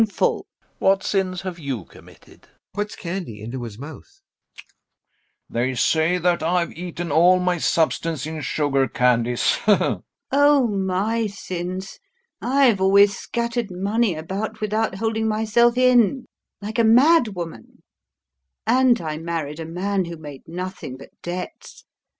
LOPAKHIN. What sins have you committed? GAEV. [Puts candy into his mouth] They say that I've eaten all my substance in sugar candies. LUBOV. Oh, my sins.... I've always scattered money about without holding myself in, like a madwoman, and I married a man who made nothing but debts.